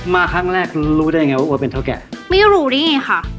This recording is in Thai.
มาครั้งแรกรู้ได้ยังไงว่าเป็นไม่รู้ได้ไงค่ะ